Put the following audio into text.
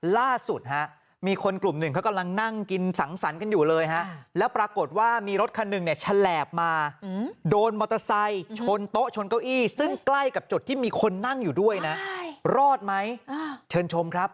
ล่าสุดฮะมีคนกลุ่มหนึ่งเขากำลังนั่งกินสังสรรค์กันอยู่เลยฮะแล้วปรากฏว่ามีรถคันหนึ่งเนี่ยแฉลบมาโดนมอเตอร์ไซค์ชนโต๊ะชนเก้าอี้ซึ่งใกล้กับจุดที่มีคนนั่งอยู่ด้วยนะรอดไหมเชิญชมครับ